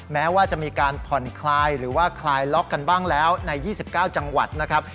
แม้ว่าจะมีการผ่อนคลายหรือว่าคลายล็อกกันบ้างแล้วใน๒๙จังหวัดนะครับ